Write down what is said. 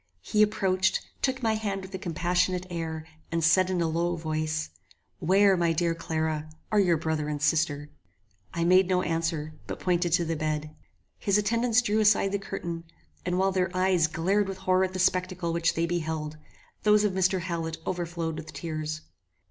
He approached, took my hand with a compassionate air, and said in a low voice, "Where, my dear Clara, are your brother and sister?" I made no answer, but pointed to the bed. His attendants drew aside the curtain, and while their eyes glared with horror at the spectacle which they beheld, those of Mr. Hallet overflowed with tears.